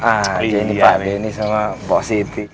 ah jenny pak benny sama boksiti